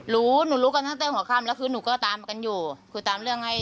รู้ว่ามันไปฆ่าคนรู้ก็ตามกันอยู่คือตามเรื่องไอ้